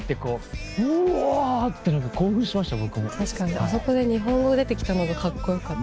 あそこで日本語が出てきたのがカッコ良かった。